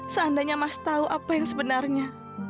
seandainya mas tahu apa yang sebenarnya